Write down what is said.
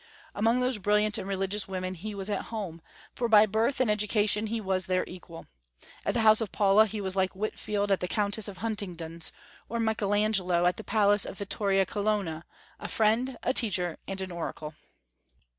Among those brilliant and religious women he was at home, for by birth and education he was their equal. At the house of Paula he was like Whitefield at the Countess of Huntingdon's, or Michael Angelo in the palace of Vittoria Colonna, a friend, a teacher, and an oracle.